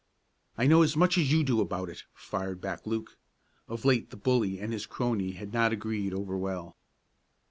"I know as much as you do about it!" fired back Luke. Of late the bully and his crony had not agreed overwell.